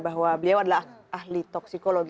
bahwa beliau adalah ahli toksikologi